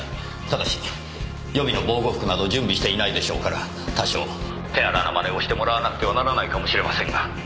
ただし予備の防護服など準備していないでしょうから多少手荒なまねをしてもらわなくてはならないかもしれませんが。